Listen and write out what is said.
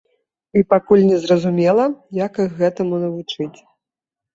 І пакуль незразумела, як іх гэтаму навучыць.